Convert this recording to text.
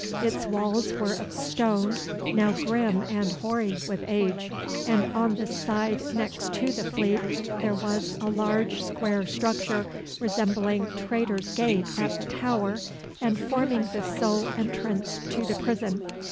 Its walls were of stone, now grim and hoary with age; and on the side next to the Fleet there was a large square structure, resembling Traitor's Gate at the Tower, and forming the sole entrance to the prison.